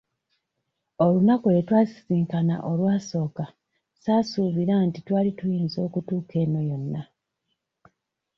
Olunaku lwe twasisinkana olwasooka saasuubira nti twali tuyinza okutuuka eno yonna.